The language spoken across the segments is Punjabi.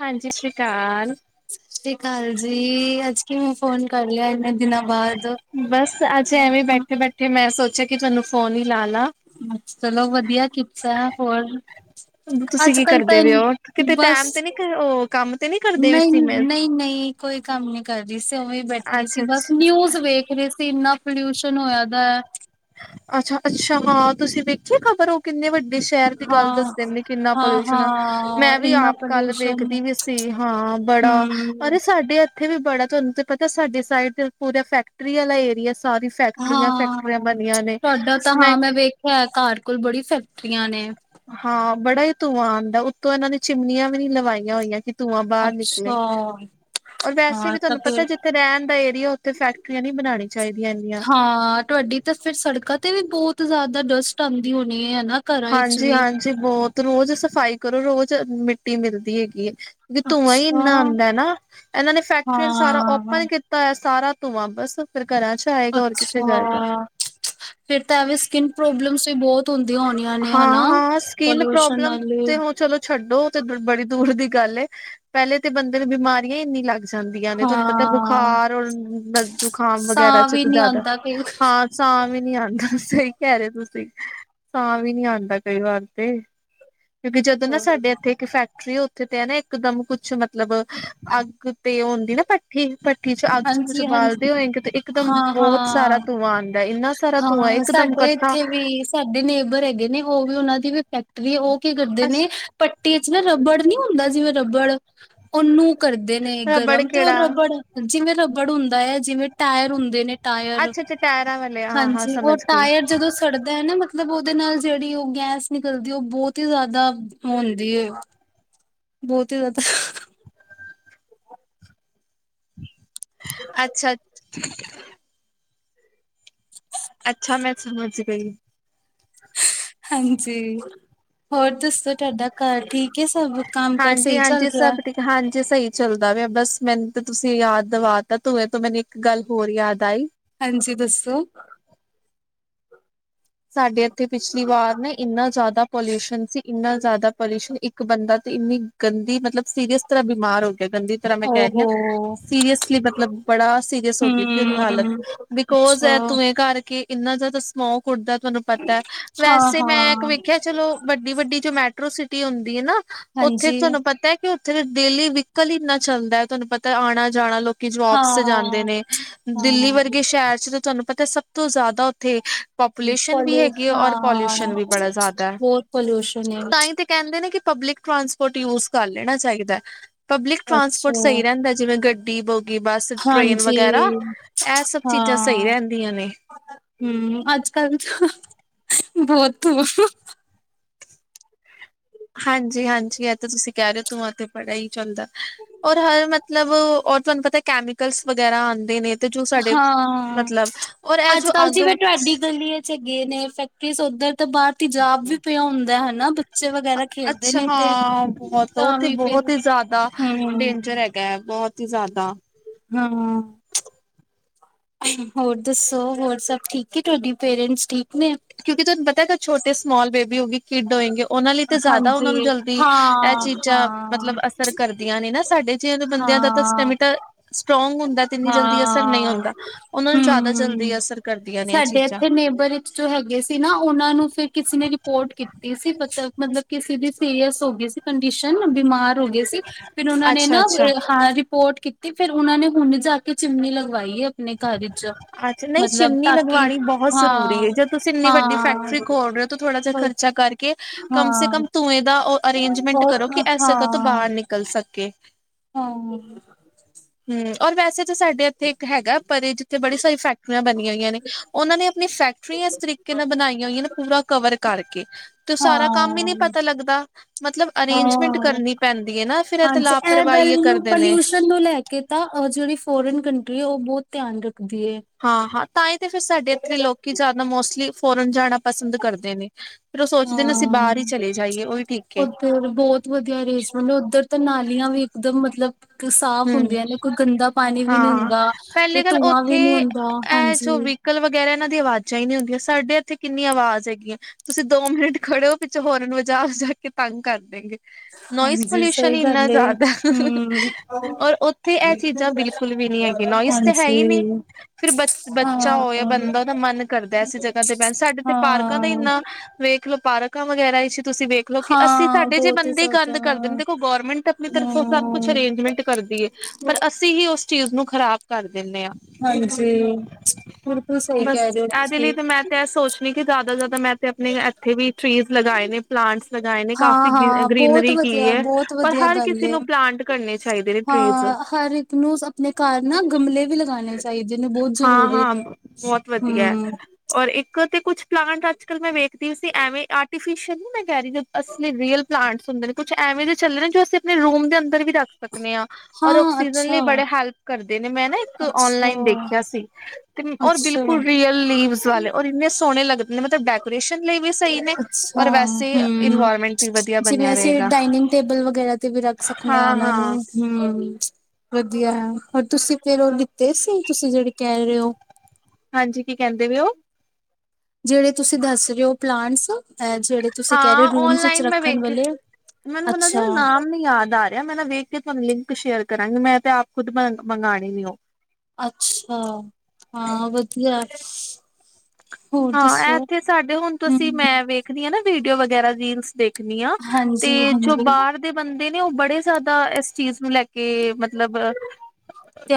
ਹਾਂਜੀ ਸਤਿ ਸ੍ਰੀ ਅਕਾਲ। ਸਤਿ ਸ਼੍ਰੀ ਅਕਾਲ ਜੀ ਅੱਜ ਕਿਵੇਂ ਮੈਂ ਫੋਨ ਕਰ ਲਿਆ ਇੰਨੇ ਦਿਨਾਂ ਬਾਅਦ। ਬਸ ਅੱਜ ਐਵੇਂ ਬੈਠੇ-ਬੈਠੇ ਮੈਂ ਸੋਚ ਇਆ ਕਿ ਤੁਹਾਨੂੰ ਫੋਨ ਈ ਅੱਛਾ ਚਲੋ ਵਧੀਆ ਕੀ ਤਾ ਹੋਰ। ਤੁਸੀਂ ਕੀ ਅੱਜਕਲ ਕਰਦੇ ਤਾਂ ਪਏ ਹੋ ਕਿਤੇ ਬਸ, ਟੈਮ ਤੇ ਨੀ ਉਹ ਕੰਮ ਤੇ ਨੀ ਕਰਦੇ ਵੀ ਨਹੀਂ ਸੀ ਮੈਂ ਨਹੀਂ-ਨਹੀਂ ਕੋਈ ਕੰਮ ਨੀ ਕਰ ਰਹੀ ਸੀ ਉਵੇਂ ਬੈਠੀ ਸੀ ਅੱਛਾ ਬਸ ਅੱਛਾ ਨਿਊਜ ਵੇਖ ਰਹੀ ਸੀ ਇੰਨਾ ਪੋਲਿਊਸ਼ਨ ਹੋਇਆ ਦਾ। ਅੱਛਾ ਅੱਛਾ ਹਾਂ ਤੁਸੀਂ ਵੇਖੀ ਖ਼ਬਰ ਉਹ ਕਿੰਨੇ ਵੱਡੇ ਸ਼ਹਿਰ ਦੀ ਗੱਲ ਹਾਂ ਦੱਸਦੇ ਕਿੰਨਾ ਹਾਂ ਪੋਲਿਊਸ਼ਨ ਆ, ਹਾਂ ਮੈਂ ਵੀ ਇੰਨਾ ਆਪ ਕੱਲ ਪੋਲਿਊਸ਼ਨ ਵੇਖਦੀ ਵੀ ਸੀ ਹਾਂ ਬੜਾ ਹਮ ਅਰੇ ਸਾਡੇ ਇ ਉੱਥੇ ਵੀ ਬੜਾ ਤੁਹਾਨੂੰ ਤੇ ਪਤਾ ਸਾਡੇ ਸਾਈਡ ਤੇ ਪੂਰਾ ਫੈਕਟਰੀ ਵਾਲਾ ਏਰੀਆ ਸਾਰੀ ਫੈਕਟਰੀਆਂ ਫੈਕਟਰੀਆਂ ਹਾਂ ਬਣੀਆਂ ਨੇ ਤੁਹਾਡਾ ਤਾਂ ਹਾਂ ਮੈਂ ਵੇਖਿਆ ਘਰ ਕੋਲ ਬੜੀ ਫੈਕ ਟਰੀਆ ਨੇ। ਹਾਂ ਬੜਾ ਹੀ ਧੂੰਆਂ ਆਦਾ ਉੱਤੋਂ ਇਹਨਾਂ ਨੇ ਚਿਮਨੀਆਂ ਵੀ ਨੀ ਲਵਾਈਆਂ ਹੋਈਆਂ ਧੂੰਆਂ ਬਾਹਰ ਅੱਛਾ ਨਿਕਲੇ। ਔਰ ਵੈਸੇ ਹਾਂ ਵੀ ਤਾਂ ਤੁਹਾਨੂੰ ਫਿਰ ਪਤਾ ਜਿੱਥੇ ਰਹਿਣ ਦਾ ਏਰੀਆ ਉੱਥੇ ਫੈਕਟਰੀਆਂ ਨੀ ਬਣਾਣੀਆਂ ਚਾਹੀਦੀਆਂ ਇਨੀਆਂ। ਹਾਂ ਤੋ ਜ਼ਿਆਦਾ ਡਸਟ ਆਂਦੀ ਹੋਣੀ ਏ। ਹਾਂਜੀ-ਹਾਂਜੀ ਬਹੁਤ ਰੋਜ਼ ਸਫ਼ਾਈ ਕਰੋ ਰੋਜ਼ ਮਿੱਟੀ ਮਿਲਦੀ ਹੈਗੀ ਏ। ਵੀ ਧੂੰਆਂ ਹੀ ਅੱਛਾ। ਇੰਨਾ ਆਦਾ ਨਾ ਇਹਨਾਂ ਨੇ ਫੈਕਟਰੀਆਂ ਨੇ ਸਾਰਾ ਹਾਂ ਓਪਨ ਕੀਤਾ ਹੈ ਸਾਰਾ। ਧੂੰਆ ਬਸ ਫਿਰ ਘਰਾਂ ਚ ਆਏਗਾ ਔਰ ਕਿੱਥੇ ਜਾਏਗਾ। ਅੱਛਾ। ਫਿਰ ਤਾਂ ਐਵੇਂ ਸਕਿਨ ਪ੍ਰੋਬਲਮਸ ਵੀ ਬਹੁਤ ਹੁੰਦ ਹਾਂ-ਹਾਂ ਸਕਿਨ ਪ੍ਰੋਬਲਮ ਵਾਲੇ ਤੇ ਹੁਣ ਚਲੋ ਛੱਡੋ ਤੇ ਬੜੀ ਦੂਰ ਦੀ ਗੱਲ ਏ, ਪਹਿਲੇ ਤੇ ਬੰਦੇ ਨੂੰ ਬਿਮਾਰੀਆਂ ਇੰਨੀ ਲੱਗ ਜਾਂਦੀਆਂ ਨੇ ਤੁਹਾਨੂੰ ਪਤਾ ਹਾਂ ਬੁਖਾਰ ਔਰ ਜ਼ੁਕਾਮ ਵਗੈਰਾ ਸਾਹ 'ਚ ਵੀ ਨੀ ਜ਼ਿਆਦਾ ਆਉਂਦਾ ਕਈ ਹਾਂ ਸਾਹ ਵੀ ਨੀ ਆਉਂਦਾ ਸਹੀ ਕਹਿ ਰਹੇ ਤੁਸੀਂ। ਸਾਹ ਵੀ ਨੀ ਆਂਦਾ ਕਈ ਵਾਰ ਤੇ। ਕਿਉਂਕਿ ਜਦੋਂ ਨਾ ਸਾਡ ਇਥੇ ਇੱਕ ਫੈ ਪੱ ਉੱਥੇ ਤੇ ਹੈ ਨਾ ਇਕਦਮ ਕੁੱਛ ਮਤਲਬ ਅੱਗ ਤੇ ਹੁੰਦੀ ਨਾ ਭੱਠੀ ਠੀਚ ਅੱਗ ਚ ਕੁੱਝ ਹਾਂਜੀ ਹਾਂਜੀ ਬਾਲਦੇ ਹੋਏਗੇ ਤੇ ਇੱਕ ਦਮ ਹਾਂ ਬਹੁਤ ਸਾਰਾ ਹਾਂ। ਧੂੰਆਂ ਆਉਂਦਾ ਹੈ ਇੰਨਾ ਸਾਰਾ ਧੂੰਆਂ ਹਾਂ ਇਕ ਦਮ ਸਾਡੇ ਇਕੱਠਾ ਇੱਥੇ ਵੀ ਸਾਡੇ ਨੇਬਰ ਹੈਗੇ ਨੇ ਉਹ ਵੀ ਉਹਨਾਂ ਦੀ ਵੀੈਕ ਵੀ ਉਹ ਕੀ ਕਰਦੇ ਨੇ ਪ ਚ ਨਾ ਰੱਬੜ ਨੀ ਹੁੰਦਾ ਜਿਵੇਂ ਰੱਬੜ ਉਹਨੂੰ ਕਰਦੇ ਨੇ ਰਬੜ ਗਰਮ ਤੇ ਉਹ ਕੀੜਾ ਰਬੜ ਜਿਵੇਂ ਰਬੜ ਹੁੰਦਾ ਹੈ ਜਿਵੇਂ ਟਾਇਰ ਹੁੰਦੇ ਨੇ ਟਾਇਰ ਅੱਛਾ ਅੱਛਾ ਟਾਇਰਾਂ ਵਾਲੇ ਹਾਂ ਹਾਂ ਹਾਂਜੀ ਉਹ ਸਮਝ ਗਈ। ਟਾਇਰ ਜਦੋਂ ਸੜਦਾ ਹੈ ਨਾ ਮਤਲਬ ਮਤਲਬ ਉਹਦੇ ਨਾਲ ਜਿਹੜੀ ਉਹ ਗੈਸ ਨਿਕਲਦੀ ਉਹ ਬਹੁਤ ਹੀ ਜ਼ਿਆਦਾ ਹੁੰਦੀ ਹੈ ਬਹੁਤ ਹੀ ਜ਼ਿਆਦਾ ਅੱਛਾ ਹ ਅੱਛਾ ਮੈਂ ਸਮਝ ਹੀ ਪਈ ਹਾਂਜੀ ਹੋਰ ਦੱਸੋ ਤੁਹਾਡਾ ਘਰ ਠੀਕ ਹੈ ਸਭ ਕੰਮ ਕਾਰ ਹਾਂਜੀ ਸਹੀ ਚੱਲ ਹਾਂਜੀ ਸਭ ਰਿਹਾ ਠੀਕ ਹਾਂਜੀ ਸਹੀ ਚੱਲਦਾ ਪਿਆ ਬਸ ਮੈਨੂੰ ਤਾਂ ਤੁਸੀਂ ਯਾਦ ਦਿਵਾ ਤਾ ਧੂੰਏ ਤੋਂ ਮੈਨੂੰ ਇੱਕ ਗੱਲ ਹੋਰ ਯਾਦ ਆਈ ਹਾਂਜੀ ਦੱਸੋ ਸਾਡੇ ਇੱਥੇ ਪਿਛਲੀ ਵਾਰ ਨਾ ਇੰਨਾ ਜ਼ਿਆਦਾ ਪੋਲਿਊਸ਼ਨ ਸੀ ਇੰਨਾ ਜ਼ਿਆਦਾ ਪੋਲਿਊਸ਼ਨ ਇੱਕ ਬੰਦਾ ਤੇ ਇੰਨੀ ਗੰਦੀ ਮਤਲਬ ਸੀਰੀਅਸ ਤਰ੍ਹਾਂ ਬਿਮਾਰ ਹੋਈ ਗੰਦੀ ਤਰ੍ਹਾਂ ਮੈਂ ਕਹਿ ਰਹੀ ਹਾਂ ਓਹੋ ਸੀਰੀਅਸਲੀ ਮਤਲਬ ਬੜਾ ਸੀਰੀਅਸ ਹੋ ਗਈ ਸੀ ਉਹਦੀ ਹਾਲਤ ਹਮ ਬਿਕੋਜ ਅੱਛਾ ਤੂੰਵੇਂ ਕਰਕੇ ਕਿੰਨਾ ਜ਼ਿਆਦਾ ਸਮੋਕ ਕੁਡ ਦਾ ਤੁਹਾਨੂੰ ਪਤਾ ਹਾਂ ਵੈਸੇ ਮੈਂ ਇੱਕ ਹਾਂ ਵੇਖਿਆ ਚਲੋ ਵੱਡੀ ਵੱਡੀ ਜੋ ਮੈ ਸਿਟੀ ਹੁੰਦੀ ਹੈ ਨਾ ਉੱਥੇ ਹਾਂਜੀ ਤੁਹਾਨੂੰ ਪਤਾ ਹੈ ਕਿ ਫ ਡੇਲੀ ਵਿਕਲ ਹੀ ਇੰਨਾ ਚੱਲਦਾ ਤੁਹਾਨੂੰ ਪਤਾ ਆਉਣਾ ਜਾਣਾ ਲੋਕ ਹਾਂ ਜਬਸ ਜਾਂਦੇ ਨੇ ਦਿੱਲੀ ਹਾਂ ਵਰਗੇ ਸ਼ਹਿਰ ਚ ਤਾਂ ਤੁਹਾਨੂੰ ਪਤਾ ਸਭ ਭ ਤੋਂ ਜ਼ਿਆਦਾ ਉੱਥੇ ਪਾਪੂਲੇਸ਼ਨ ਵੀ ਪੋਲੂ ਹੈਗੀ ਹੈ ਔਰ ਹਾਂ ਪੋਲਿਊਸ਼ਨ ਵੀ ਬੜਾ ਜ਼ਿਆਦਾ ਹੈ ਬਹੁਤ ਪੋਲਿਊਸ਼ਨ ਹੈ ਤਾਂ ਹੀ ਤੇ ਕਹਿੰਦੇ ਨੇ ਕਿ ਪਬਲਿਕ ਟ੍ਰਾਂਸਪੋਰਟ ਯੂਜ ਕਰ ਲੈਣਾ ਚਾਹੀਦਾ ਹੈ ਪਬਲਿਕ ਟਰਾਂਸਪੋਰਟ ਅੱਛਾ ਸਹੀ ਰਹਿੰਦਾ ਜਿਵੇਂ ਗੱਡੀ [inaudible] ਏ ਬੱਸ ਟ੍ਰੇਨ ਹਾਂਜੀ ਵਗੈਰਾ ਇਹ ਸਭ ਚੀਜ਼ਾਂ ਸਹੀ ਹਾਂ ਰਹਿੰਦੀਆਂ ਨੇ ਹਮ ਅੱਜ ਬਹੁਤ ਹਾਂਜੀ-ਹਾਂਜੀ ਇਹ ਤਾਂ ਤੁਸੀਂ ਕਹਿ ਰਹੇ ਹੋ ਧੂੰਆਂ ਤੇ ਬੜਾ ਹੀ ਚੱਲਦਾ ਔਰ ਹਰ ਮਤਲਬ ਹੋਰ ਤੁਹਾਨੂੰ ਪਤਾ ਕੈਮੀਕਲਸ ਵਗੈਰਾ ਆਉਂਦੇ ਨੇ ਤੇ ਜੋ ਸਾਡੇ ਹਾਂ ਮਤਲਬ ਔਰ ਇਹ ਅੱਜ ਜੋ ਕੱਲ੍ਹ ਅੱਗ ਜੀਵੇ ਤੁਹਾਡੀ ਗਲੀ ਇਚ ਗਏ ਨੇ ਫੈਕਟਰੀਸ ਉੱਧਰ ਤਾਂ ਬਾਹਰ ਤੇਜਾਬ ਵੀ ਪਿਆ ਹੁੰਦੇ ਹਨ ਨਾ ਬਇ ਅੱਛਾ ਹਾਂ ਬਹੁਤ ਉਹ‌ ਤਾਂ ਤੇ ਵੀ ਫਿਰ ਬਹੁਤ ਹੀ ਜ਼ਿਆਦਾ ਹਮ ਡੇਂਜਰ ਹੈਗਾ ਹੈ ਬਹੁਤ ਜ਼ਿਆਦਾ ਹਾਂ ਹੋਰ ਦੱਸੋ ਹੋਰ ਸਭ ਠੀਕ ਤੁਹਾਡੀ ਪੇਰੈਂਟਸ ਠੀਕ ਨੇ ਕਿਉਂਕਿ ਤੁਹਾਨੂੰ ਪਤਾ ਹੈਗਾ ਛੋੇਟੇ ਸਮਾਲ ਬੇਬੀ ਹੋ ਗਯੇ ਖਿੱਡ ਹੋਏਗੇ ਉਹਨਾਂ ਲਈ ਤਾਂ ਜ਼ਿਆਦਾ ਉਹਨਾਂ ਨੂੰ ਹਾਂਜੀ ਜਲਦੀ ਹਾਂ ਇਹ ਚੀਜ਼ਾਂ ਮਤਲਬ ਹਾਂ ਅਸਰ ਕਰਦੀਆਂ ਨੇ ਨਾ ਸਾਡੇ ਤੇ ਬੰਦਿਆਂ ਦਾ ਤਾਂ ਹਾਂ ਸਟੈਮੀਟਾ ਸਟਰੋਂਗ ਹੁੰਦਾ ਤੇ ਇੰਨੀ ਜਲਦੀ ਅਸਰ ਨਹੀਂ ਹਾਂ ਹੁੰਦਾ ਉਹਨਾਂ ਨੂੰ ਜ਼ਿਆਦਾ ਜਲਦੀ ਹੂੰ ਅਸਰ ਕਰਦੀਆਂ ਨੇ ਇਹ ਸਾਡੇ ਚੀਜ਼ਾਂ ਇੱਥੇ ਨੇਬਰ ਵਿੱਚ ਜੋ ਹੈਗੇ ਸੀ ਨਾ ਉਹਨਾਂ ਨੂੰ ਫਿਰ ਕਿਸੇ ਨੇ ਰਿਪੋਰਟ ਕੀਤੀ ਸੀ ਬ ਮਤਲਬ ਕਿਸੇ ਦੀ ਸੀਰੀਅਸ ਹੋ ਗਈ ਸੀ ਕੰਡੀਸ਼ਨ ਬਿਮਾਰ ਹੋ ਗਏ ਸੀ ਫਿਰ ਉਹਨਾਂ ਨੇ ਅੱਛਾ ਨਾਂ ਅੱਛਾ ਹਾਂ ਰਿਪੋਰਟ ਕੀਤੀ ਫਿਰ ਉਹਨਾਂ ਨੇ ਹੁਣ ਜਾ ਕੇ ਚਿਮਨੀ ਲਗਵਾਈ ਏ ਅੱਛਾ ਨਹੀਂ ਚਿਮਨੀ ਕਿ ਲਗਵਾਉਣੀ ਬਹੁਤ ਜ਼ਰੂਰੀ ਹਾਂ ਜੇ ਤੁਸੀਂ ਇੰਨੀ ਵੱਡੀ ਹਾਂ ਫੈਕਟਰੀ ਖੋਲ ਰਹੇ ਹੋ ਤਾਂ ਥੋੜਾ ਜਿਹਾ ਖਰਚਾ ਕਰਕੇ ਕੇ ਕਮ ਸੇ ਹਾਂ ਕਮ ਧੂਂਏਂ ਦਾ ਔ ਅਰੇਂਜਮੈਂਟ ਬਹੁਤ ਕਰੋ ਕਿ ਇਸ ਹਾਂ ਜਗਹ ਤੋਂ ਬਾਹਰ ਨਿਕਲ ਸਕੇ ਹਾਂ ਹੂੰ ਔਰ ਵੈਸੇ ਤਾਂ ਸਾਡੇ ਇੱਥੇ ਇੱਕ ਹੈਗਾ ਪਰੇ ਜਿੱਥੇ ਬੜੀ ਸਾਰੀ ਫੈਕਟਰੀਆਂ ਬਣੀਆਂ ਹੋਈਆਂ ਨੇ ਉਹਨਾਂ ਨੇ ਆਪਣੀ ਫੈਕਟਰੀਆਂ ਇਸ ਤਰੀਕੇ ਨਾਲ ਬਣਾਈਆਂ ਹੋਈਆਂ ਨੇ ਪੂਰਾ ਕਵਰ ਕਰਕੇ ਤੇ ਉਹ ਸਾਰਾ ਕੰਮ ਹੀ ਨਹੀਂ ਹਾਂ-ਹਾਂ ਪਤਾ ਲੱਗਦਾ ਮਤਲਬ ਅਰੇਂਜਮੈਂਟ ਕਰਨੀ ਪੈਂਦੀ ਹੈ ਨਾ ਫਿਰ ਇਹ ਤੇ ਹਾਂਜੀ ਇਹ ਗੱਲ ਲਾਪਰਵਾਹੀ ਨੂੰ ਕਰਦੇ ਨੇ ਪਲਿਊਸ਼ਨ ਨੂੰ ਲੈ ਕੇ ਤਾਂ ਜੇਹੜੀ ਫੋਰਨ ਕੰਟ ਉਹ ਬਹੁਤ ਧਿਆਨ ਰੱਖ ਹਾਂ-ਹਾਂ ਤਾਂ ਹੀ ਤੇ ਫਿਰ ਸਾਡੇ ਇਥੇ ਲੋਕੀ ਜ਼ਿਆਦਾ ਮੋਸਟਲੀ ਫੋਰਨ ਜਾਣਾ ਪਸੰਦ ਕਰਦੇ ਨੇ। ਫਿਰ ਉਹ ਸੋਚਦੇ ਨੇ ਅਸੀਂ ਹਾਂ ਬਾਹਰ ਹੀ ਚਲੇ ਜਾਈਏ ਉਹੀ ਠੀਕ ਹੈ ਉੱਧਰ ਬਹੁਤ ਵਧੀਆ ਅਰੇਂਜਮੈਂਟ ਹੈ। ਉੱਧਰ ਤਾਂ ਨਾਲੀਆਂ ਵੀ ਇਕਦਮ ਮਤਲਬ ਸਾਫ਼ ਹਮ ਹੁੰਦੀਆਂ ਨੇ ਕੋਈ ਗੰਦਾ ਪਾਣੀ ਵੀ ਨੀ ਹਾਂ ਹੁੰਦਾ। ਪਹਿਲੀ ਤੇ ਗੱਲ ਧੂੰਆਂ ਉੱਥੇ ਵੀ ਨੀ ਹੁੰਦਾ ਇਹ ਜੋ ਹਾਂਜੀ ਵਹੀਕਲ ਵਗੈਰਾ ਇਹਨਾਂ ਦੀ ਆਵਾਜ਼ਾਂ ਹੀ ਨਹੀਂ ਹੁੰਦੀਆਂ ਸਾਡੇ ਇੱਥੇ ਕਿੰਨੀ ਆਵਾਜ਼ ਹੈਗੀਆਂ। ਤੁਸੀਂ ਦੋ ਮਿੰਟ ਖੜੇ ਹੋ ਪਿਛੋਂ ਹੋਰਨ ਵਜਾ-ਵਜਾ ਕੇ ਤੰਗ ਕਰ ਦੇਂਗੇ ਨੋਇਜ਼ ਹਾਂਜੀ ਪੋਲਿਊਸ਼ਨ ਸਹੀ ਇੰਨਾ ਗੱਲ ਏ। ਜ਼ਿਆਦਾ ਹੂੰ ਔਰ ਉੱਥੇ ਇਹ ਚੀਜ਼ਾਂ ਬਿਲਕੁਲ ਵੀ ਨੀ ਹੈਗੀਆਂ ਨੋਇਜ਼ ਤੇ ਹੈ ਹੀ ਹਾਂਜੀ ਨੀ ਫਿਰ ਬ ਬੱਚਾ ਉਹ ਜਾਂ ਹਾਂ ਬੰਦਾ ਉਹਦਾ ਮਨ ਕਰਦਾ ਐੇ ਜਗ੍ਹਾ ਤੇ ਬਹਿਣ ਸਾਡੇ ਤੇ ਪਾਰਕਾਂ ਦਾ ਇੰਨਾ ਹਾਂ। ਵੇਖ ਲੋ ਪਾਰਕਾਂ ਵਗੈਰਾ ਵਿੱਚ, ਤੁਸੀਂ ਵੇਖਲੋ ਕਿ ਅਸੀਂ ਹਾਂ ਸਾਡੇ ਜੇ ਬਹੁਤ ਹੀ ਬੰਦੇ ਜ਼ਿਆਦਾ ਗੰਦ ਕਰਦੇ ਦੇਖੋ, ਗੌਰਰਮੈਂਟ ਆਪਣੀ ਤਰਫੋਂ ਸਭ ਕੁਛ ਹੂੰ ਅਰੇਂਜਮੈਂਟ ਪਰ ਅਸੀਂ ਹੀ ਉਸ ਚੀਜ਼ ਨੂੰ ਖਰਾਬ ਕਰ ਦਿੰਦੇ ਏ ਹਾਂਜੀ। ਬਿਲਕੁਲ ਸਹੀ ਬਸ ਕਹਿ ਰਹੇ ਹੋ ਇਹਦੇ ਲਈ ਤੁਸੀਂ ਤੇ ਮੈਂ ਤੇ ਇਹ ਸੋਚਣੀ ਕਿ ਜ਼ਿਆਦਾ ਮੈਂ ਤੇ ਆਪਣੇ ਇੱਥੇ ਵੀ ਟੀਜ਼ ਲਗਾਏ ਨੇ ਪਲਾਂਟਸ ਲਗਾਏ ਨੇ ਕਾਫੀ ਗ ਹਾਂ-ਹਾਂ ਬਹੁਤ ਗ੍ਰਰੀਨਰੀ ਕੀ ਵਧੀਆ ਹੈ ਬਹੁਤ ਪਰ ਵਧੀਆ ਹਰ ਗੱਲ ਕਿਸੇ ਏ। ਨੂੰ ਪਲਾਂਟ ਕਰਨੇ ਚਾ ਹਾਂ ਹਰ ਇੱਕ ਨੂੰ ਆਪਣੇ ਘਰ ਨਾ ਗਮਲੇ ਵੀ ਲਗਾਣੇ ਚਾਹੀਦੇ ਨੇ ਬਹੁਤ ਹਾਂ ਜ਼ਰੂਰੀ ਹਾਂ ਨੇ। ਬਹੁਤ ਵਧੀਆ ਹੈ ਹੂੰ ਔਰ ਇੱਕ ਤੇ ਕੁੱਛ ਪਲਾਂਟ ਅੱਜ ਕਲ ਮੈਂ ਵੇਖਦੀ ਸੀ ਐਵੇਂ ਆਰਟੀਫਿਸ਼ਲ ਮੈਂ ਰੀ ਅਸਲੀ ਰੀਅਲ ਪਲਾਂਟ ਹੁੰਦੇ ਨੇ ਕੁਛ ਐਵੇਂ ਜਹੇ ਚੱਲੇ ਨੇ ਜੋ ਅਸੀਂ ਆਪਣੇ ਰੂਮ ਦੇ ਅੰਦਰ ਵੀ ਰੱਖ ਸਕਦੇ। ਔਰ ਹਾਂ ਆਕਸੀਜਨ ਅੱਛਾ ਲਈ ਬੜੇ ਹੈਲਪ ਕਰਦੇ ਨੇ ਮੈਂ ਨਾ ਇੱਕ ਅੱਛਾ। ਔਨਲਾਈਨ ਦੇਖ। ਤੇ ਔਰ ਬਿਲਕੁਲ ਅੱਛਾ-ਅੱਛਾ ਰੀਅਲ ਲੀਵ ਵਾਲੇ ਔਰ ਇੰਨੇ ਸੋਹਣੇ ਲੱਗਦੇ। ਨੇ ਮਤਲਬ ਡੈਕੋਰੇਸ਼ਨ ਲਈ ਵੀ ਸਹੀ ਨੇ ਅੱਛਾ ਔਰ ਵੈਸੇ ਹੂੰ ਇਨਵਾਇਰਮੈਂਟ ਵੀ ਵਧੀਆ ਜਿਵੇਂ ਬਣਿਆ ਅਸੀਂ ਰਹੇਗਾ ਡਾਇਨਿੰਗ ਟੇਬਲ ਵਗੈਰਾ ਤੇ ਵੀ ਰੱਖ ਸਕਦੇ ਹਾਂ ਉਹਨਾਂ ਨੂੰ ਹੂੰ ਵਧੀਆ ਹੈ ਹੋਰ ਤੁਸੀਂ ਫਿਰ ਉਹ ਨਿਤੇ ਸਿੰਘ ਤੁਸੀਂ ਜਿਹੜੇ ਕਹਿ ਰਹੇ ਹੋ ਹਾਂਜੀ ਕੀ ਕਹਿੰਦੇ ਪਏ ਔ ਜਿਹੜੇ ਤੁਸੀਂ ਦੱਸ ਰਹੇ ਹੋ ਪਲਾਂਟਸ ਜਿਹੜੇ ਤੁਸੀਂ ਕਹਿ ਰਹੇ ਹਾਂ ਹੋ ਰੂਮਸ ਵਿੱਚ ਔਨਲਾਈਨ ਮੈਂ ਰੱਖਣ ਵੇਖੀ ਵਾਲੇ ਮੈਨੂੰ ਮੂੰ ਅੱਛਾ ਨਾਮ ਨੀ ਯਾਦ ਆ ਰਿਹਾ ਮੈਂ ਨਾ ਵੇਖ ਕੇ ਆਪ ਲਿੰਕ ਸ਼ੇਅਰ ਕਰਾਂਗੀ, ਮੈਂ ਤੇ ਆਪ ਖੁਦ ਮਗਾਣੇ ਨੇ ਹੋ ਅੱਛਾ ਹਾਂ ਵਧੀਆ ਹੋਰ ਹਾਂ ਦੱਸੋ? ਇੱਥੇ ਸਾਡੇ ਹੁਣ ਹੂੰ, ਤੁਸੀਂ ਮੈਂ ਵੇਖਦੀ ਹਾਂ ਨਾ ਵੀਡੀਓ ਵਗੈਰਾ ਰੀਲਸ ਦੇਖ ਆ ਤੇ ਜੋ ਹਾਂਜੀ-ਹਾਂਜੀ ਬਾਹਰ ਦੇ ਬੰਦੇ ਨੇ ਉਹ ਬੜੇ ਜ਼ਿਆਦਾ ਇਸ ਚੀਜ਼ ਨੂੰ ਲੈ ਕੇ ਕਿ ਮਤਲਬ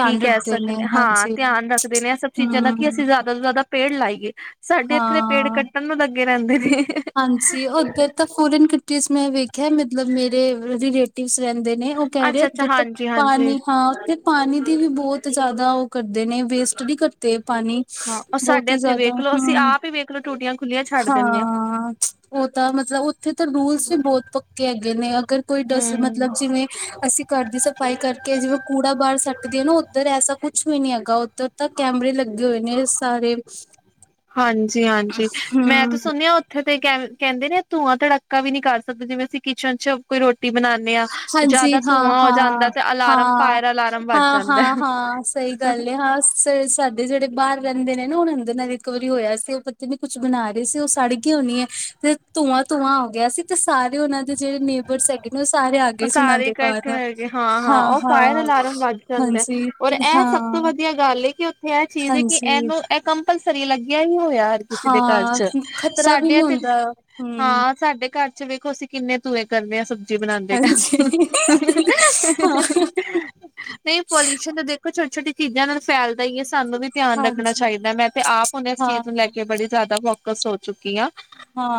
ਕੀ ਕਹਿ ਰੱਖਦੇ ਨੇ ਸਕਦੇ ਹਾਂ ਹਾਂਜੀ। ਧਿਆਨ ਰੱਖਦੇ ਨੇ ਇਹ ਸਭ ਚੀਜ਼ਾਂ ਦਾ ਕਿ ਅਸੀਂ ਹੂੰ, ਜ਼ਿਆਦਾ ਤੋਂ ਜ਼ਿਆਦਾ ਪੇੜ ਲਾਈਏ। [unintelligible] ਸਾਡੇ ਇੱਥੇ ਦੇ ਪੇੜ ਹਾਂ। ਕੱਟਣ ਨੂੰ ਲੱਗੇ ਰਹਿੰਦੇ ਸੀ ਹਾਂਜੀ ਉੱਧਰ ਤਾਂ ਫੋਰਨ ਕੰਟਰੀਜ਼ ਮੈਂ ਵੇਖਿਆ ਮਤਲਬ ਮੇਰੀ ਰਿਲੇਟਿਵ ਰਹਿੰਦੇ ਨੇ ਉਹ ਕਹਿ ਅੱਛਾ ਰਹੇ ਅੱਛਾ ਜਿੱਦ ਹਾਂਜੀ ਹਾਂਜੀ ਪਾਣੀ ਹਾਂ ਪਾਣੀ ਦੀ ਵੀ ਬਹੁਤ ਜ਼ਿਆਦਾ ਉਹ ਕਰਦੇ ਨੇ ਵੇਸਟ ਨਹੀਂ ਕਰਦੇ ਪਾਣੀ। ਹਾਂ ਉਹ ਬਹੁਤ ਸਾਡੇ ਹੀ ਇੱਥੇ ਜ਼ਿਆਦਾ ਵੇਖ ਲੋ ਅਸੀਂ ਹੂੰ, ਆਪ ਹੀ ਵੇਖ ਲੋ ਟੂਟੀਆਂ ਖੁੱਲੀਆਂ ਛੱਡ ਦਿੰਦੇ ਆਾਂ ਹਾਂ ਉਹ ਤਾਂ ਮਤਲਬ ਉੱਥੇ ਤਾਂ ਰੂਲਸ ਵੀ ਬਹੁਤ ਪੱਕੇ ਹੈਗੇ ਨੇ। ਅਗਰ ਕੋਈ ਡਸ ਹਮ ਮਤਲਬ ਜਿਵੇਂ ਅਸੀਂ ਘਰ ਦੀ ਸਫ਼ਾਈ ਕਰਕੇ ਜਿਵੇਂ ਕੂੜਾ ਬਾਹਰ ਸੱਟ ਨਾ ਉੱਧਰ ਐਸਾ ਕੁੱਛ ਵੀ ਨੀ ਹੈਗਾ ਉੱਧਰ ਤਾਂ ਕੈਮਰੇ ਲੱਗੇ ਹੋਏ ਨੇ ਸਾਰੇ ਹਾਂਜੀ ਹਾਂਜੀ ਮੈਂ ਤਾਂ ਹਮ ਸੁਣਿਆ ਉੱਥੇ ਤੇ ਕ ਕਹਿੰਦੇ ਨੇ ਧੂੰਆਂ ਧੜਾਕਾ ਵੀ ਨੀ ਕਰ ਸਕਦੇ ਜਿਵੇਂ ਅਸੀਂ ਕਿਚਨ ਚ ਕੋਈ ਰੋਟੀ ਬਣਾਨੇ ਆ ਤੇ ਹਾਂਜੀ। ਜ਼ਿਆਦਾ ਹਾਂ ਧੂੰਆਂ ਹੋ ਜਾਂਦਾ ਹਾਂ ਤੇ ਅਲਾਰਮ ਹਾਂ। ਫਾਇਰ ਅਲਾਰਮ ਵੱਜ ਹਾਂ ਜਾਂਦਾ ਹਾਂ ਹਾਂ। ਸਹੀ ਗੱਲ ਹੈ ਹਾਂ ਸਾਡੇ ਜਿਹੜੇ ਬਾਹਰ ਰਹਿੰਦੇ ਨੇ ਨਾ ਉਹਣ ਅੰਦਰ ਨਾਲ ਰਿਕਵਰੀ ਹੋਇਆ ਸੀ। ਉਹ ਪਤਾ ਨੀ ਕੁਛ ਬਣਾ ਰਹੇ ਸੀ। ਉਹ ਸੜ ਗਈ ਹੋਣੀ ਹੈ ਤੇ ਧੂੰਆ ਧੂੰਆਂ ਆ ਗਿਆ ਸੀ ਤੇ ਸਾਰੇ ਉਹਨਾਂ ਦੇ ਜਿਹੜੇ ਨੇਬਰ ਹੈਗੇ ਨੇ ਉਹ ਸਾਰੇ ਆ ਗਏ ਸੀ ਉਹਨਾਂ ਸਾਰੇ ਦੇ ਇਕੱਠ ਘਰ ਹੋਗੇ ਹਾਂ ਹਾਂ ਉਹ ਫਾਇਰ ਹਾਂ-ਹਾਂ, ਅਲਾਰਮ ਵੱਧ ਜਾਂਦੇ ਹਾਂਜੀ, ਔਰ ਇਹ ਸਭ ਤੋਂ ਹਾਂ, ਵਧੀਆ ਗੱਲ ਕਿ ਉੱਥੇ ਇਹ ਚੀਜ਼ ਹੈ ਕਿ ਹਾਂਜੀ। ਇਹਨੂੰ ਇਹ ਕੰਪਲਸਰੀ ਲੱਗਿਆ ਹੀ ਹੋਇਆ ਯਰ ਕਿਸੇ ਦੇ ਘਰ ਹਾਂ, ਚ ਖ਼ਤਰਾ ਵੀ ਨੀ ਸਾਡੇਥ ਹੁੰਦਾ, ਹੂੰ। ਹਾਂ ਸਾਡੇ ਘਰ ਵਿੱਚ ਵੇਖੋ ਸੀਂਨੇ ਤੂਏ ਕਰਦੇ ਹਾਂ ਸਬਜੀ ਬਣਾਉਦੇ ਹਾਂ ਨਹੀਂ ਪੋਲਿਊਸ਼ਨ ਤਾਂ ਦੇਖੋ ਛੋਟੀ ਛੋਟੀ ਚੀਜ਼ਾਂ ਨਾਲ ਫਿਆਲ ਦਾ ਹੀ ਸਾਨੂੰ ਵੀ ਧਿਆਨ ਰੱਖਣਾ ਹਾਂਜੀ, ਚਾਹੀਦਾ ਮੈਂ ਤੇ ਆਪ ਹੁਣ ਇਸ ਹਾਂ। ਚੀਜ਼ ਨੂੰ ਲੈ ਕੇ ਬੜੀ ਜ਼ਿਆਦਾ ਕਸ ਹੋ ਚੁੱਕੀ ਆ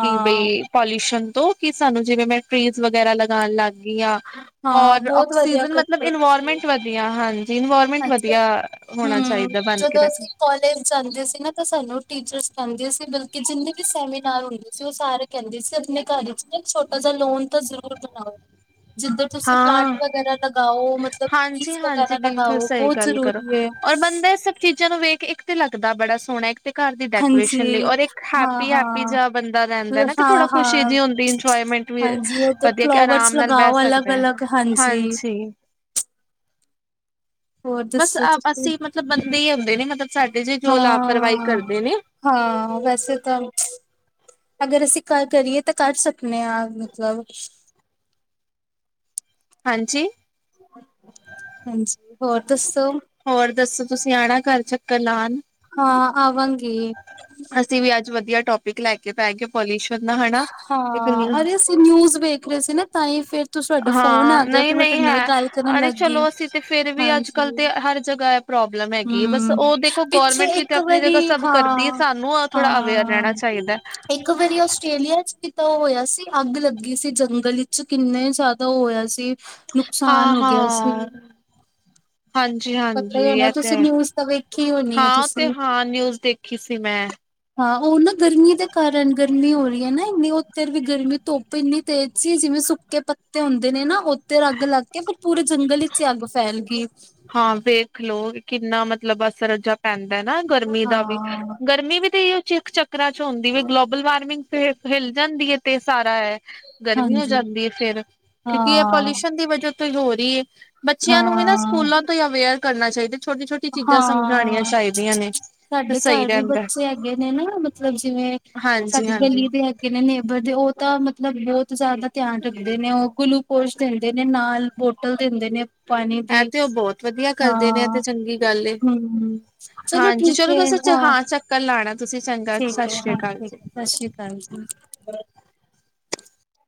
ਕਿ ਬਈ ਪੋਲਿਊਸ਼ਨ ਤੋਂ ਕਿ ਸਾਨੂੰ ਜਿਵੇਂ ਮੈਂ ਟ੍ਰੀਜ਼ ਵਗੈਰਾ ਲਗਾ ਲੱਗ ਗਿਆ ਗੀਆਂ ਹਾਂ ਔਰ ਬਹੁਤ ਵਧੀਆ ਆਕਸੀਜਨ ਮਤਲਬ ਕਰਦੇ ਹੋ ਤੁਸੀਂ, ਇਨਵਾਇਰਮੈਂਟ ਵਧੀਆ ਹਨ ਇਨਵਾਰਮੈਂਟ ਅੱਛਾ, ਵਧੀਆ ਹੋਣਾ ਹੂੰ। ਚਾਹੀਦਾ ਬਣ ਕੇ ਉਹ ਟੀਚਰਸ ਕਹਿੰਦੀ ਸੀ ਬਲਕਿ ਜਿੰਨੇ ਵੀ ਸੈਮੀਨਾਰ ਹੁੰਦੇ ਸੀ ਉਹ ਸਾਰੇ ਕਹਿੰਦੇ ਸੀ ਆਪਣੇ ਘਰ ਵਿੱਚ ਨਾ ਇੱਕ ਛੋਟਾ ਜਿਹਾ ਲੋਨ ਤਾਂ ਜ਼ਰੂਰ ਬਣਾਓ ਜਿੱਧਰ ਤੁਸੀਂ ਪਲਾਂਟ ਹਾਂ ਵਗੈਰਾ ਲਗਾਓ ਮਤਲਬ ਟਜ਼ ਹਾਂਜੀ-ਹਾਂਜੀ ਬਿਲਕੁਲ ਸਹੀ ਗੱਲ ਕਰੋ ਔਰ ਬੰਦਾ ਇਹ ਸਭ ਚੀਜ਼ਾਂ ਨੂੰ ਵੇਖ ਇੱਕ ਤੇ ਲੱਗਦਾ ਬੜਾ ਸੋਹਣਾ ਇੱਕ ਤੇ ਘਰ ਦੀ ਹਾਂਜੀ, ਡੈਕੋਰੇਸ਼ਨ ਲਈ ਔਰ ਇੱਕ ਹੈਪੀ ਹੈਪੀ ਹਾਂ-ਹਾਂ, ਜਿਹਾ ਬੰਦਾ ਰਹਿੰਦਾ। ਨਾ ਕਿ ਥੋੜਾ ਖੁਸ਼ੀ ਹਾਂ-ਹਾਂ। ਜਿਹੀ ਹੁੰਦੀ। ਇੰਜੋਏਮੈਂਟ ਵੀ ਹਾਂਜੀ ਉੱਧਰ ਵਧੀਆ ਕੇ ਫਲੋਵਰਸ ਆਰਾਮ ਨਾਲ ਬਹਿ ਲਗਾਓ ਸਕ ਅਲੱਗ-ਅਲੱਗ ਹਾਂਜੀ ਹੋਰ ਬਸ ਦੱਸੋ ਤੁਸੀਂ? ਅਸੀਂ ਮਤਲਬ ਬੰਦੇ ਹੀ ਆਉਂਦੇ ਨੇ ਮਤਲਬ ਸਾਡੇ ਜ ਜੋ ਲਾਪਰਵਾਹੀ ਹਾਂ, ਕਰਦੇ ਨੇ ਹਾਂ ਵੈਸੇ ਤਾਂ ਅਗਰ ਅਸੀਂ ਕਰ ਕਰੀਏ ਤਾਂ ਕਰ ਸਕਦੇ ਹਾਂ ਮਤਲਬ ਹਾਂਜੀ [inaudible] ਹਾਂਜੀ ਹੋਰ ਦੱਸੋ? ਹੋਰ ਦੱਸੋ ਤੁਸੀਂ ਆਣਾ ਘਰ ਚੱਕਰ ਲਾਣ, ਹਾਂ ਆਵਾਂਗੀ, ਅਸੀਂ ਵੀ ਅੱਜ ਵਧੀਆ ਟੋਪਿਕ ਲੈ ਕੇ ਪੈ ਗਏ ਪੋਲੀ, ਹਾਂ ਅਰੇ ਅਸੀਂ ਨਿਊਜ਼ ਵੇਖ ਰਹੇ ਸੀ ਨਾ ਤਾਂ ਹੀ ਫੇਰ ਤੁਹਾਡਾ ਫੋਨ ਆ ਹਾਂ ਗਿਆ ਨਹੀਂ ਫਿਰ ਮੈਂ ਨਹੀਂ ਤੁਹਾਡੇ ਨਾਲ ਹੈ, ਗੱਲ ਕਰਨ ਅਰੇ ਲੱਗ ਗਈ, ਚਲੋ ਅਸੀਂ ਤੇ ਫੇਰ ਵੀ ਅੱਜ ਕੱਲ੍ਹ ਹਾਂਜੀ। ਤੇ ਹਰ ਜਗ੍ਹਾ ਇਹ ਪ੍ਰੋਬਲਮ ਹੈਗੀ ਹੈ, ਬਸ ਹੂੰ, ਉਹ ਦੇਖੋ ਪਿੱਛੇ ਗਰਮੈਂਟ ਵੀ ਇੱਕ ਆਪਣੀ ਵਾਰੀ ਜਗਾ ਸਬ ਕਰਦੀ ਹੈ ਹਾਂ, ਸਾਨੂੰ ਥੋੜਾ ਅਵੇਰ ਹਾਂ। ਰਹਿਣਾ ਚਾਹੀਦਾ। ਇੱਕ ਵਾਰੀ ਆਸਟ੍ਰੇਲੀਆ ਚ ਵੀ ਤਾਂ ਉਹ ਹੋਇਆ ਸੀ ਅੱਗ ਲੱਗੀ ਸੀ ਜੰਗਲ ਵਿੱਚ ਕਿੰਨੇ ਜ਼ਿਆਦਾ ਉਹ ਹੋਇਆ ਸੀ। ਨੁਕਸਾਨ ਹੋ ਗਿਆ ਸੀ ਹਾਂ-ਹਾਂ ਹਾਂਜੀ, ਜੀ ਪਤਾ ਹੀ ਹਾਂਜੀ। ਹੋਣਾ ਇਹ ਤੇ ਤੁਸੀਂ ਹੈ। ਨਿਊਜ਼ ਤਾਂ ਵੇਖੀ ਹੋਣੀ ਹੈ ਹਾਂ ਉਹ ਤੁਸੀਂ ਤੇ ਹਾਂ। ਨਿਊਜ਼ ਦੇਖੀ ਸੀ ਮੈਂ, ਹਾਂ ਉਹ ਨਾ ਗਰਮੀ ਦੇ ਕਾਰਨ ਗਰਮੀ ਹੋ ਰਹੀ ਹੈ ਨਾ, ਉੱਥਰ ਵੀ ਗਰਮੀ ਧੁੱਪ ਇੰਨੀ ਤੇਜ਼ ਸੀ ਜਿਵੇਂ ਸੁੱਕੇ ਪੱਤੇ ਹੁੰਦੇ ਨੇ ਨਾ ਉੱਧਰ ਅੱਗ ਲੱਗ ਕੇ ਫੇਰ ਪੂਰੇ ਜੰਗਲ ਵਿੱਚ ਹੀ ਅੱਗ ਫੈਲ ਗਈ। ਹਾਂ ਵੇਖ ਲਓ ਕਿੰਨਾ ਮਤਲਬ ਮਤਲਬ ਬੱਸ ਰੱਜਾ ਪੈਂਦਾ। ਨਾ ਗਰਮੀ ਦਾ ਵੀ ਹਾਂ ਗਰਮੀ ਵੀ ਤੇ ਚਕ ਚੱਕਰਾਂ ਚ ਹੁੰਦੀ ਵੀ। ਗਲੋਬਲ ਵਾਰਮਿੰਗ ਫ ਫੈਲ ਜਾਂਦੀ ਹੈ। ਤੇ ਸਾਰਾ ਹੈ, ਗਰਮੀ ਹੋ ਹਾਂਜੀ ਜਾਂਦੀ ਹੈ ਫੇਰ ਕਿਉਂਕਿ ਇਹ ਹਾਂ ਪੋਲਿਊਸ਼ਨ ਦੀ ਵਜਾ ਕੋਈ ਹੋ ਰਹੀ ਹੈ। ਬੱਚਿਆਂ ਨੂੰ ਵੀ ਨਾ ਹਾਂ, ਸਕੂਲਾਂ ਤੋਂ ਅਵੇਅਰ ਕਰਨਾ ਚਾਹੀਦਾ। ਛੋਟੀ ਛੋਟੀ ਚੀਜ਼ਾਂ ਸਮਝਾਉਣੀਆਂ ਹਾਂ ਚਾਹੀਦੀਆਂ ਨੇ ਤੇ ਸਾਡੇ ਸਹੀ ਘਰ ਵੀ ਰਹਿੰਦਾ ਬੱਚੇ ਹੈਗੇ ਨੇ ਨਾ ਮਤਲਬ ਜਿਵੇਂ ਹਾਂਜੀ ਸਾਡੀ ਹਾਂਜੀ ਗਲੀ ਦੇ ਹੈਗੇ ਨੇ ਨੇਬਰ ਦੇ ਉਹ ਤਾਂ ਮਤਲਬ ਬਹੁਤ ਜ਼ਿਆਦਾ ਧਿਆਨ ਰੱਖਦੇ ਨੇ ਉਹ ਗਲੂ ਕੁਛ ਦਿੰਦੇ ਨੇ ਨਾਲ ਬੋਟਲ ਦਿੰਦੇ ਨੇ, ਪਾਣੀ ਹੈ ਦੀ ਤੇ ਉਹ ਬਹੁਤ ਵਧੀਆ ਕਰਦੇ ਨੇ ਹਾਂ ਤੇ, ਚੰਗੀ ਗੱਲ ਏ ਹੂੰ। ਹਾਂਜੀ ਠੀਕ ਚਲੋ ਹੈ ਦੱਸ ਹਾਂ ਚੱਕਰ ਲਾਣਾ, ਤੁਸੀਂ ਚੰਗਾ ਠੀਕ ਹੈ। ਸਤਿ ਸ੍ਰੀ ਹਾਂ ਅਕਾਲ ਠੀਕ। ਜੀ ਸਤਿ ਸ੍ਰੀ ਅਕਾਲ ਜੀ,